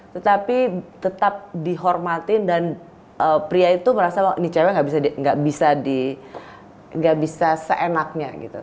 tetapi tetap dihormatin dan pria itu merasa ini cewek gak bisa seenaknya gitu